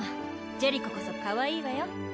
ジェリコこそかわいいわよ。